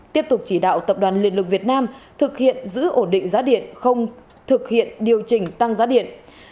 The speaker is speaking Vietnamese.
tiếp tục chỉ đạo tập đoàn điện lực việt nam thực hiện giữ ổn định giá điện không thực hiện điều chỉnh tăng giá điện